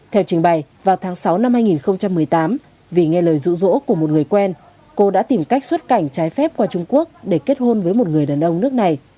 theo trình bày vào tháng sáu năm hai nghìn một mươi tám vì nghe lời rũ rỗ của một người quen cô đã tìm cách xuất cảnh trái phép qua trung quốc để kết hôn với một người đàn ông nước này